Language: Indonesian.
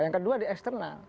yang kedua di external